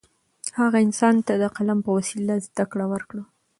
هغه انسان ته د قلم په وسیله زده کړه ورکړه.